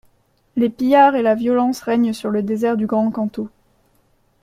Les pillards et la violence règnent sur le désert du Grand Kanto.